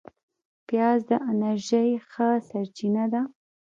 پیاز د انرژۍ ښه سرچینه ده